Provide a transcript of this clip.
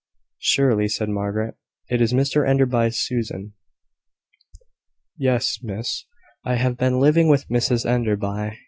"Surely," said Margaret, "it is Mrs Enderby's Susan." "Yes, miss, I have been living with Mrs Enderby.